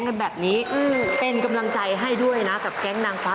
เมื่อกี้ไม่ยอมเต้นเลย